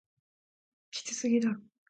きつすぎだろ